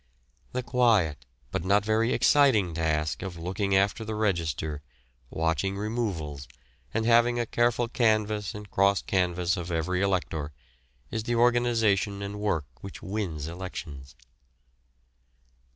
The quiet, but not very exciting task of looking after the register, watching removals, and having a careful canvass and cross canvass of every elector, is the organisation and work which wins elections.